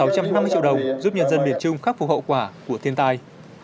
một trăm năm mươi triệu đồng giúp nhân dân miền trung khắc phục hậu quả của thiên tai